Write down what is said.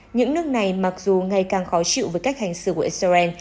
những nước này mặc dù ngày càng khó chịu với cách hành xử của israel